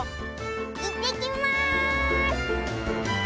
いってきます！